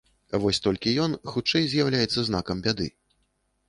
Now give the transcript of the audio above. Вось толькі ён, хутчэй, з'яўляецца знакам бяды.